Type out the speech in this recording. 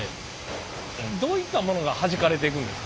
どういったものがはじかれていくんですか？